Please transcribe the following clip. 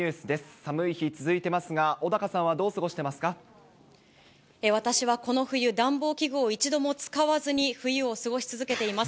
寒い日、続いてますが、私はこの冬、暖房器具を一度も使わずに冬を過ごし続けています。